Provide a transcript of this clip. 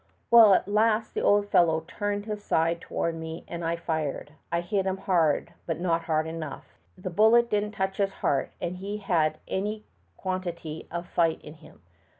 Well, at last the old fellow turned his side toward me and I fired. I hit him hard, but not hard enough. The bullet didn't touch his heart, and he had any quantity of fight in him.